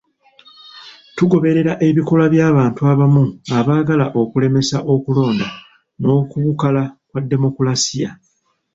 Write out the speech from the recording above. Tugoberera ebikolwa by'abantu abamu abaagala okulemesa okulonda n'okubukala kwa demokulaasiya.